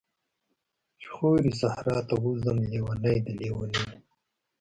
چی خوری صحرا ته ووځم، لیونۍ د لیونیو